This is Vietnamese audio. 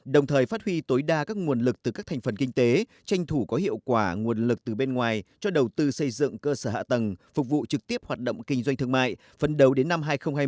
đồng thời phát huy tối đa các nguồn lực từ các thành phần kinh tế tranh thủ có hiệu quả nguồn lực từ bên ngoài cho đầu tư xây dựng cơ sở hạ tầng phục vụ trực tiếp hoạt động kinh doanh thương mại phân đấu đến năm hai nghìn hai mươi